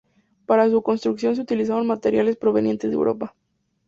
Para su construcción se utilizaron materiales provenientes de Europa.